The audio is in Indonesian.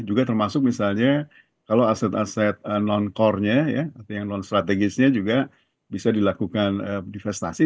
juga termasuk misalnya kalau aset aset non core nya ya yang non strategisnya juga bisa dilakukan divestasi